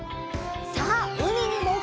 さあうみにもぐるよ！